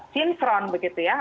team front begitu ya